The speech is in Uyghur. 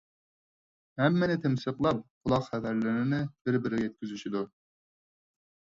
ھەممىنى تىمسىقلاپ قۇلاق خەۋەرلىرىنى بىر - بىرىگە يەتكۈزۈشىدۇ.